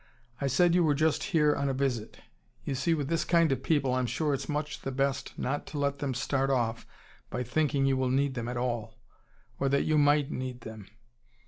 I said you were just here on a visit. You see with this kind of people I'm sure it's much the best not to let them start off by thinking you will need them at all or that you MIGHT need them.